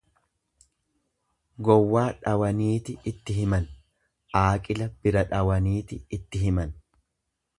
Gowwaa dhawaniiti itti himan, aaqila bira dhawaniit itti himan.